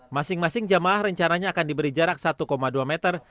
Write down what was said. masing masing jemaah rencananya akan diberi jarak satu dua meter